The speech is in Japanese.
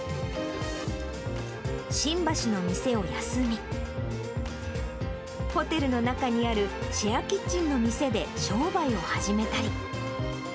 新橋の店を休み、ホテルの中にあるシェアキッチンの店で商売を始めたり。